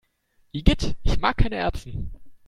Igitt, ich mag keine Erbsen!